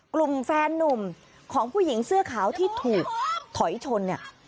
กลุ่มแฟนนุ่มของผู้หญิงเสื้อขาวที่ถูกถอยชนเนี่ย